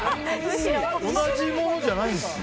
同じものじゃないんですね。